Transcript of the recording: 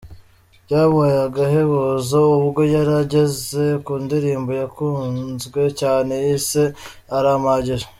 Byabaye agahebuzo ubwo yari ageze ku ndirimbo yakunzwe cyane yise ‘Arampagije’.